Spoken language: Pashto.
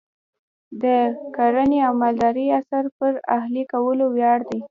د کرنې او مالدارۍ عصر پر اهلي کولو ولاړ دی.